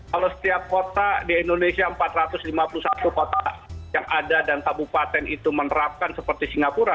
kalau setiap kota di indonesia empat ratus lima puluh satu kota yang ada dan kabupaten itu menerapkan seperti singapura